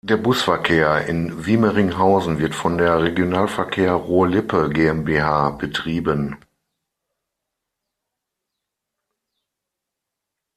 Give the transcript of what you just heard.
Der Busverkehr in Wiemeringhausen wird von der Regionalverkehr Ruhr-Lippe GmbH betrieben.